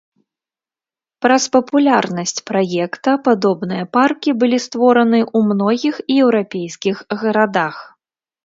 Праз папулярнасць праекта падобныя паркі былі створаны ў многіх еўрапейскіх гарадах.